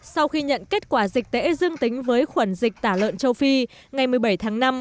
sau khi nhận kết quả dịch tễ dương tính với khuẩn dịch tả lợn châu phi ngày một mươi bảy tháng năm